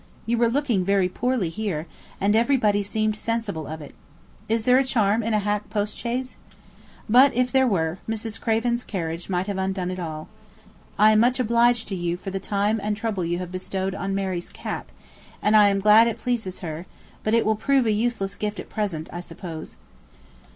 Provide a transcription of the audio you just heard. You were looking very poorly here, and everybody seemed sensible of it. Is there a charm in a hack postchaise? But if there were, Mrs. Craven's carriage might have undone it all. I am much obliged to you for the time and trouble you have bestowed on Mary's cap, and am glad it pleases her; but it will prove a useless gift at present, I suppose.